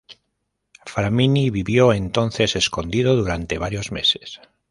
Framini vivió entonces escondido durante varios meses.